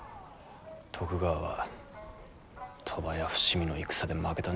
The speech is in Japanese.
徳川は鳥羽や伏見の戦で負けたんじゃない。